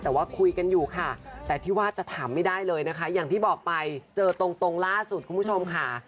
แต่ว่าคุยกันอยู่ค่ะแต่ที่ว่าจะถามไม่ได้เลยนะคะอย่างที่บอกไปเจอตรงล่าสุดคุณผู้ชมค่ะ